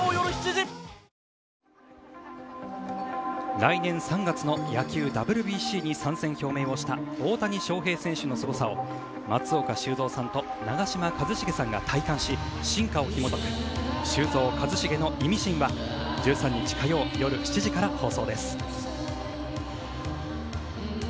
来年３月の野球ＷＢＣに参戦表明をした大谷翔平選手のすごさを松岡修造と長嶋一茂さんが体感し進化をひも解く「修造＆一茂のイミシン」は１３日火曜夜７時から放送です。